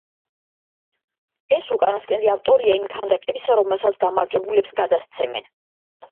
ეს უკანასკნელი ავტორია იმ ქანდაკებისა, რომელსაც გამარჯვებულებს გადასცემენ.